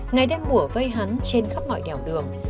ngày đêm mủa vây hắn trên khắp mọi đèo đường